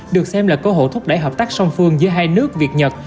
được xem là cơ hội thúc đẩy hợp tác song phương giữa hai nước việt nhật